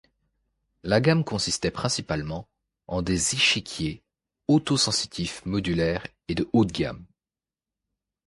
La gamme consistait principalement en des échiquiers auto-sensitifs modulaires de haut de gamme.